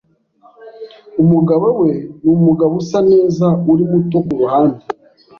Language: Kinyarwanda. Umugabo we numugabo usa neza uri muto kuruhande.